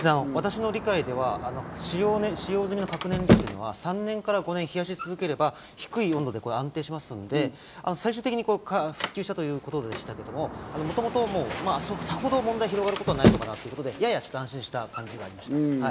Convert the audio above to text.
私の理解では使用済みの核燃料というのは３年から５年冷やし続ければ低い温度でも安定しますので最終的に復旧したということでしたけど、もともと、さほど問題が広がることはないのかなということで、やや安心した感じでした。